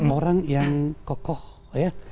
orang yang kokoh ya